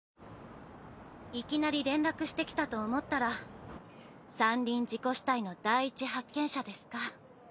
いきなり連絡してきたと思ったら山林事故死体の第一発見者ですか。